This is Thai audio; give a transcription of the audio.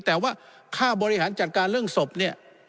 แต่ว่าค่าบริหารจัดการเรื่องศพเนี่ย